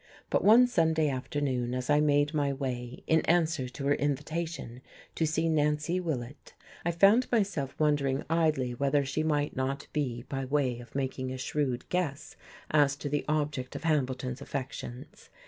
But one cold Sunday afternoon, as I made my way, in answer to her invitation, to see Nancy Willett, I found myself wondering idly whether she might not be by way of making a shrewd guess as to the object of Hambleton's affections.